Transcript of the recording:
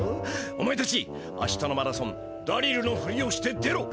お前たちあしたのマラソンダリルのふりをして出ろ！